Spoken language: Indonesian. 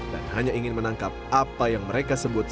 dan hanya ingin menangkap apa yang mereka sebut